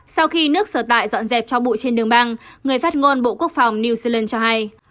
sau khi nước sở tại dọn dẹp cho bụi trên đường băng người phát ngôn bộ quốc phòng new zealand cho hay